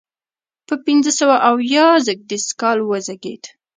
په پنځه سوه اویا زیږدي کال وزیږېد.